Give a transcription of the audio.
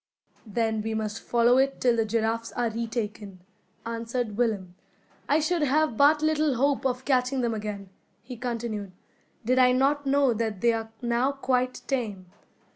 "Then we must follow it till the giraffes are retaken," answered Willem. "I should have but little hope of catching them again," he continued, "did I not know that they are now quite tame.